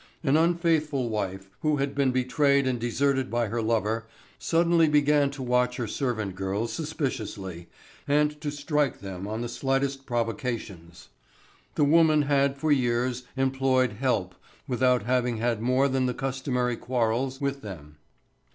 An unfaithful wife, who had been betrayed and deserted by her lover, suddenly began to watch her servant girls suspiciously, and to strike them on the slightest provocations. The woman had for years employed "help" without having had more than the customary quarrels with them.